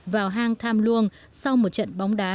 vào hàng tham luông sau một trận bóng đá